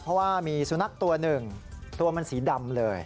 เพราะว่ามีสุนัขตัวหนึ่งตัวมันสีดำเลย